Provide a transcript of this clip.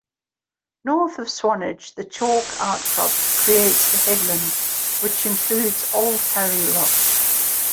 North of Swanage, the chalk outcrop creates the headland which includes Old Harry Rocks.